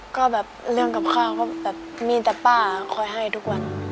ก็แบบเรื่องกับข้าวก็แบบมีแต่ป้าคอยให้ทุกวัน